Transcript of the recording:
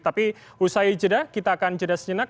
tapi usai jeda kita akan jeda sejenak